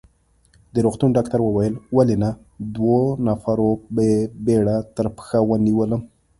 د روغتون ډاکټر وویل: ولې نه، دوو نفرو په بېړه تر پښه ونیولم.